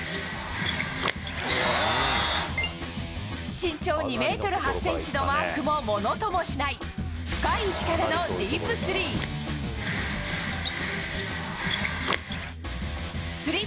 身長２ｍ８ｃｍのマークも物ともしない深い位置からのディープスリー。